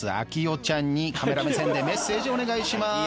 啓代ちゃんにカメラ目線でメッセージお願いします。